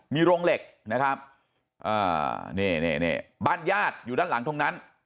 มีโรงเหล็กนะครับบ้านยากอยู่ด้านหลังทุ่งนั้น